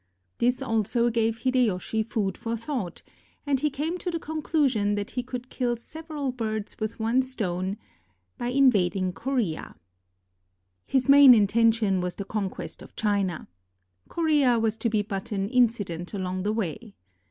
This also gave Hideyoshi food for thought, and he came to the conclusion that he could kill several birds with one stone by invading Korea. His main intention was the conquest of China. Korea was to be but an incident along the way.